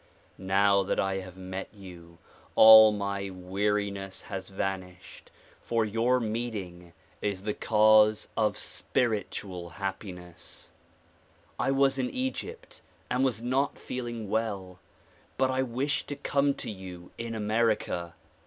Now tliat I have met you, all my weariness has vanished, for your meeting is the cause of spiritual happiness, I was in Egypt and was not feeling well ; but I wished to come to you in America.